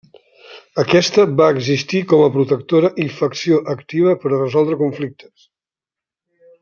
Aquesta va existir com a protectora i facció activa per a resoldre conflictes.